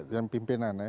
dan pimpinan ya